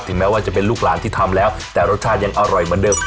แม้ว่าจะเป็นลูกหลานที่ทำแล้วแต่รสชาติยังอร่อยเหมือนเดิม